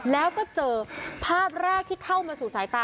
แล้วก็เจอภาพแรกที่เข้ามาสู่สายตา